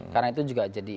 karena itu juga jadi apa